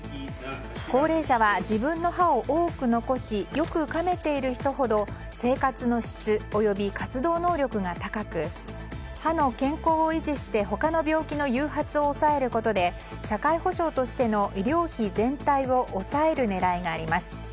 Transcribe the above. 高齢者は自分の歯を多く残しよくかめている人ほど生活の質および活動能力が高く歯の健康を維持して他の病気の誘発を抑えることで社会保障としての医療費全体を抑える狙いがあります。